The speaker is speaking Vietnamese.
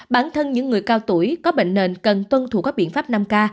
bản thân những người cao tuổi có bệnh nền cần tuân thủ các biện pháp năm k